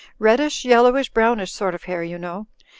"Reddish, yel lowish, brownish sort of hair, you know."